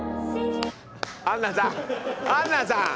アンナさんアンナさん！